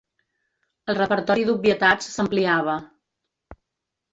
El repertori d'obvietats s'ampliava.